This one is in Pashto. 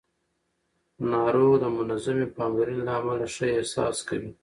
ناروغ د منظمې پاملرنې له امله ښه احساس کوي